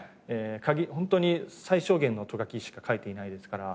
ホントに最小限のト書きしか書いていないですから。